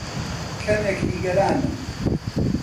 کەمێک نیگەرانم.